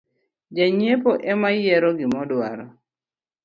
Jang’iepo emayiero gimodwaro